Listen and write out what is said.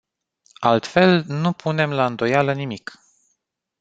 Altfel, nu punem la îndoială nimic.